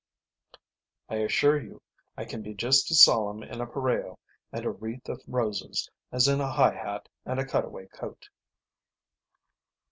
"I assure you, I can be just as solemn in a pareo and a wreath of roses, as in a high hat and a cut away coat."